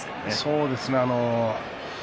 そうですね。